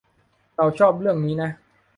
เราชอบเรื่องนี้นะ